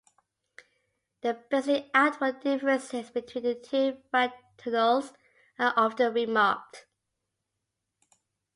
The basic outward differences between the two fraternals are often remarked.